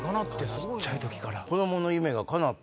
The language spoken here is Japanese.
小っちゃい時から。